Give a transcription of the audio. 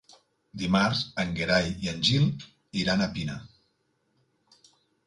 Dimarts en Gerai i en Gil iran a Pina.